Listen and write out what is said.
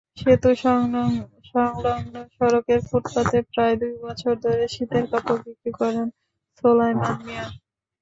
সেতু-সংলগ্ন সড়কের ফুটপাতে প্রায় দুই বছর ধরে শীতের কাপড় বিক্রি করেন সোলায়মান মিয়া।